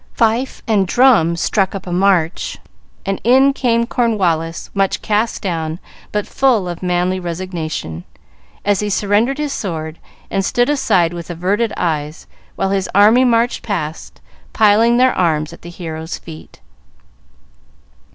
Fife and drum struck up a march, and in came Cornwallis, much cast down but full of manly resignation, as he surrendered his sword, and stood aside with averted eyes while his army marched past, piling their arms at the hero's feet.